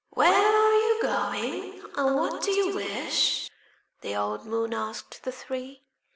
"Where are you going, and what do you wish?" The old moon asked the three.